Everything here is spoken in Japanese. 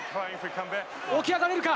起き上がれるか。